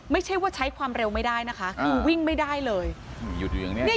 ไม่ใช่ว่าใช้ความเร็วไม่ได้นะคะคือวิ่งไม่ได้เลยหนีอยู่อย่างเนี้ย